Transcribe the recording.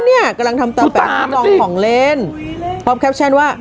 เนี่ยกำลังทำตัวของเลนส์กล้อกหลังแคร์ปชันว่า